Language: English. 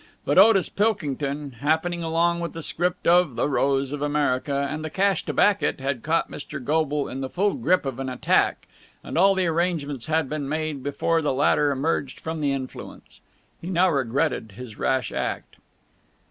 But Otis Pilkington, happening along with the script of "The Rose of America" and the cash to back it, had caught Mr. Goble in the full grip of an attack, and all the arrangements had been made before the latter emerged from the influence. He now regretted his rash act.